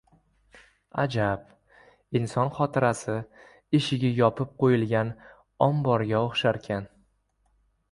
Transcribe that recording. Ajab, inson xotirasi - eshigi yopib qo‘yilgan om- borga o‘xsharkan.